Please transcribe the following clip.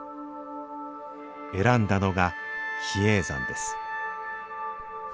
選んだのが比叡山です